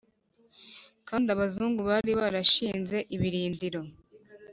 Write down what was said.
kandi Abazungu bari barashinze ibirindiro